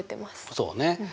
そうね。